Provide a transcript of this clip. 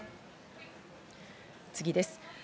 次です。